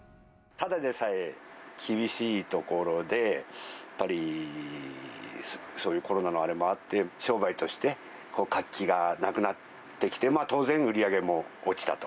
ただでさえ厳しいところで、やっぱりそういうコロナのあれもあって、商売として活気がなくなってきて、当然、売り上げも落ちたと。